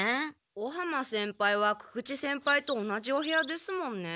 尾浜先輩は久々知先輩と同じお部屋ですもんね。